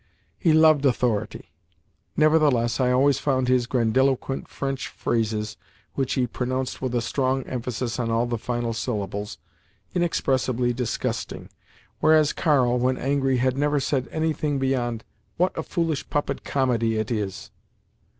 He loved authority. Nevertheless, I always found his grandiloquent French phrases (which he pronounced with a strong emphasis on all the final syllables) inexpressibly disgusting, whereas Karl, when angry, had never said anything beyond, "What a foolish puppet comedy it is!"